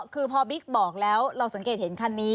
คือพอบิ๊กบอกแล้วเราสังเกตเห็นคันนี้